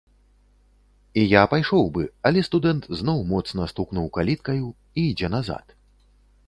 І я пайшоў бы, але студэнт зноў моцна стукнуў каліткаю і ідзе назад.